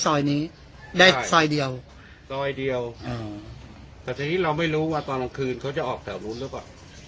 ซอยนี้ได้ซอยเดียวซอยเดียวอืมแต่ทีนี้เราไม่รู้ว่าตอนกลางคืนเขาจะออกแถวนู้นหรือเปล่า